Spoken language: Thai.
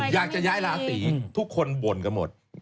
อยากจะย้ายราศีทุกคนบ่นกันหมด